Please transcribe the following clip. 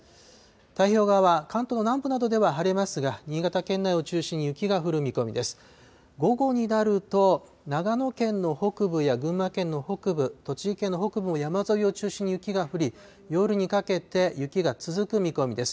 太平洋側は関東南部などでは晴れますが、新潟県内を中心に雪が降る見込みです。